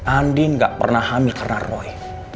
andi gak pernah hamil karena roy